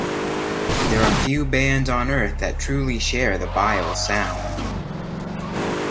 There are few bands on earth that truly share the Bile sound.